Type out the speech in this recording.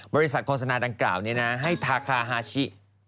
โฆษณาดังกล่าวนี้นะให้ทาคาฮาชิ